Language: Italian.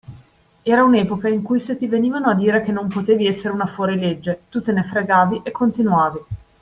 Era un epoca in cui se ti venivano a dire che non potevi essere una fuorilegge, tu te ne fregavi e continuavi